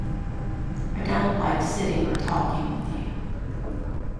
I don't like sitting or talking with you.